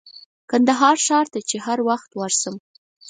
کندهار ښار ته چې هر وخت ورشم.